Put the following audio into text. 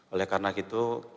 oleh karena itu